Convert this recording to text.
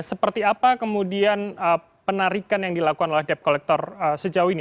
seperti apa kemudian penarikan yang dilakukan oleh debt collector sejauh ini